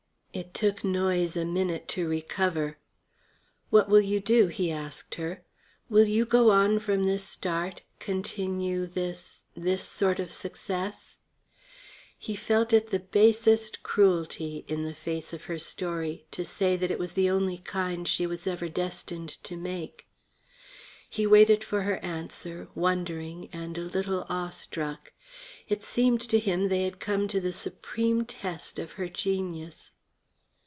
It took Noyes a minute to recover. "What will you do?" he asked her. "Will you go on from this start, continue this this sort of success?" He felt it the basest cruelty, in the face of her story, to say it was the only kind she was ever destined to make. He waited for her answer, wondering, and a little awestruck. It seemed to him they had come to the supreme test of her genius.